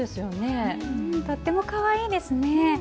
うんとってもかわいいですね！